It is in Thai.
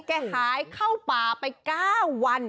หายเข้าป่าไป๙วัน